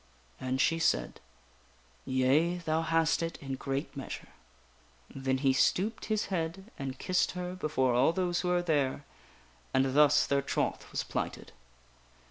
And she said: " Yea, thou hast it in great measure." Kin Arthur is Then he stooped his head and kissed her before all those betrothed to the who were there, and thus their troth was plighted.